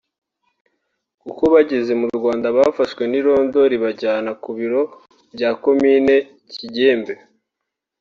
kuko bageze mu Rwanda bafashwe n’irondo ribajyana ku biro bya Komine Kigembe